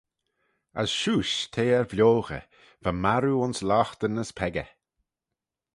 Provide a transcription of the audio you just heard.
As shiuish t'eh er vioghey, va marroo ayns loghtyn as peccah.